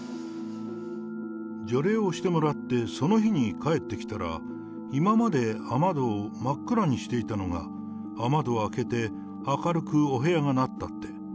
除霊をしてもらってその日に帰ってきたら、今まで雨戸を真っ暗にしていたのが、雨戸を開けて、明るくお部屋がなったって。